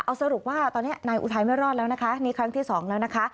เอาสรุปว่าตอนนี้นายอุทัยไม่รอดแล้วนะคะนี่ครั้งที่สองแล้วนะคะ